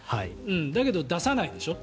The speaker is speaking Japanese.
だけど、出さないでしょ。